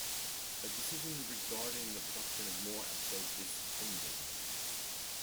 A decision regarding the production of more episodes is pending.